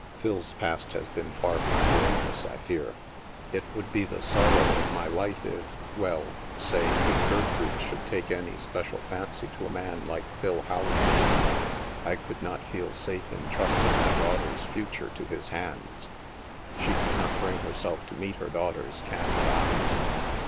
Phil's past has been far from blameless, I fear. It would be the sorrow 72 THE MASK of my life if — well — say, if Gertrude should take any special fancy to a man like Phil Rowland. I could not feel safe in trusting my daughter's future to his hands." She could not bring herself to meet her daughter's candid eyes.